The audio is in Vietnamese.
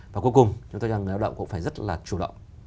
và cuối cùng chúng tôi cho rằng người lao động cũng phải rất là chủ động